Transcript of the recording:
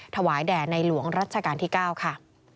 ถวายแด่ในหลวงรัชกาลที่๙ค่ะ